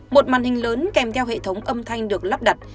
một màn hình lớn kèm theo hệ thống âm thanh được lắp đặt